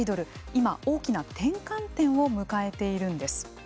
今、大きな転換点を迎えているんです。